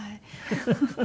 フフフフ。